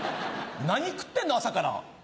何食ってんの朝から。